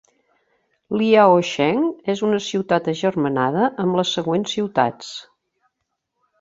Liaocheng és una ciutat agermanada amb les següents ciutats.